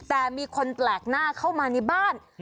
แต่มีคนแปลกหน้าเข้ามาในบ้าน